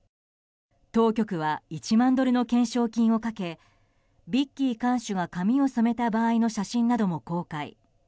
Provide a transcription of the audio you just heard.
当局は１万ドルの懸賞金をかけビッキー看守が髪を染めた場合の写真なども公開。